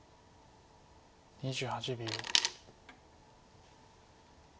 ２８秒。